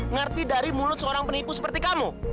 ngerti dari mulut seorang penipu seperti kamu